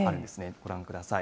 ご覧ください。